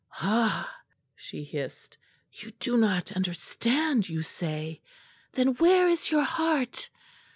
"Ah!" she hissed, "you do not understand, you say? Then where is your heart?